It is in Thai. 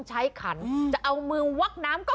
ใครออกแบบห้องน้ำวะ